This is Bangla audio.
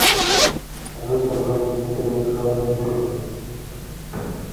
আমি চললুম, কিছুতেই নিষ্ফল হয়ে ফিরব না।